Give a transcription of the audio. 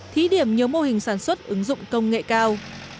thí điểm nhiều mô hình sản xuất ứng dụng công nghệ cao